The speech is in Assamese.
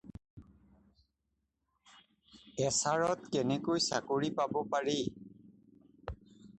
এ’চাৰত কেনেকৈ চাকৰি পাব পাৰি?